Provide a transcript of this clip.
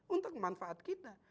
untuk manfaat kita